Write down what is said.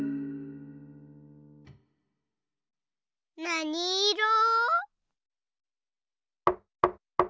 なにいろ？